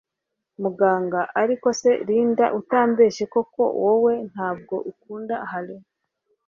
Muganga ariko se Linda utambeshye koko wowe ntabwo ukunda Henry